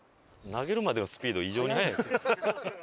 投げるまでのスピード異常に早いですね。